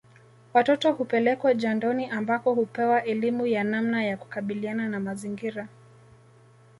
Watoto hupelekwa jandoni ambako hupewa elimu ya namna ya kukabiliana na mazingira